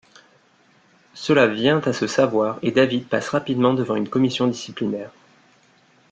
Cela vient à se savoir et David passe rapidement devant une commission disciplinaire.